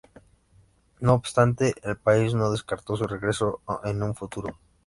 No obstante, el país no descartó su regreso en un futuro.